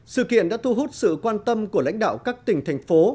sự kiện đã thu hút sự quan tâm của lãnh đạo các tỉnh thành phố